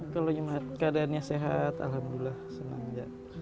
kalau nyumat keadaannya sehat alhamdulillah senang aja